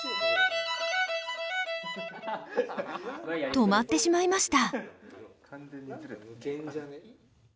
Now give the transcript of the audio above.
止まってしまいました。